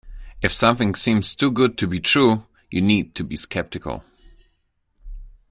If something seems too good to be true, you need to be sceptical.